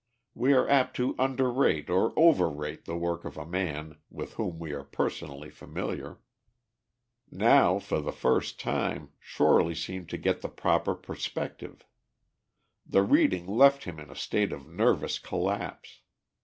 We are apt to underrate or overrate the work of a man with whom we are personally familiar. Now, for the first time, Shorely seemed to get the proper perspective. The reading left him in a state of nervous collapse.